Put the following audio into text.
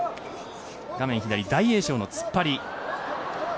画面左、大栄翔の突っ張り。